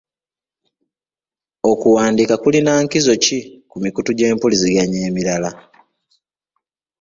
Okuwandiika kulina nkizo ki ku mikutu gy'empuliziganya emirala?